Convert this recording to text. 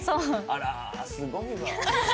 あらすごいわ。